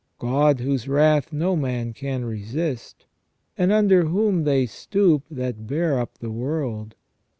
... God, whose wrath no man can resist, and under whom they stoop that bear up the world.